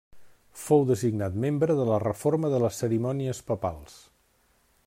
Fou designat membre de la Reforma de les Cerimònies Papals.